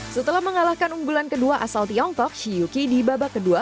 setelah mengalahkan unggulan kedua asal tiongkok shi yuki di babak kedua